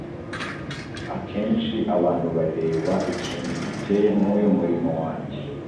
Akenshi abantu bareba ikintu giteye nk’uyu murimo wanjye,